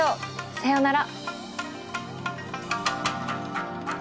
さようなら。